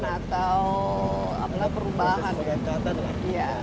atau perubahan ya